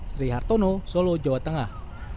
sri hartono solo jawa tengah